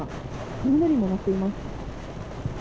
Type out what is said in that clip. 雷も鳴っています。